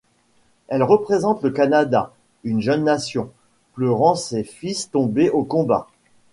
Elle représente le Canada, une jeune nation, pleurant ses fils tombés au combat.